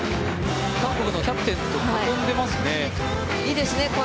韓国のキャプテンを囲んでますね。